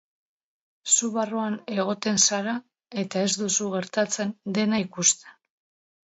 Zu barruan egoten zara eta ez duzu gertatzen dena ikusten.